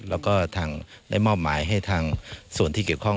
แล้วก็ทางได้มอบหมายให้ทางส่วนที่เกี่ยวข้อง